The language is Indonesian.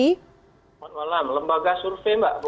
selamat malam lembaga survei mbak